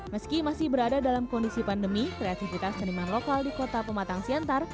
meski masih berada dalam kondisi pandemi kreatifitas seniman lokal di kota pematang siantar